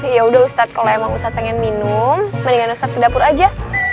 ya udah ustadz kalau emang ustadz pengen minum mendingan usap ke dapur aja